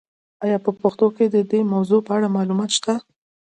آیا په پښتو کې د دې موضوع په اړه معلومات شته؟